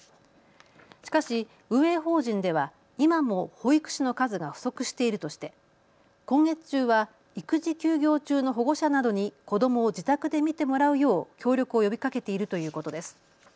しかし運営法人では今も保育士の数が不足しているとして今月中は育児休業中の保護者などに子どもを自宅で見てもらうよう協力を呼びかけているということです。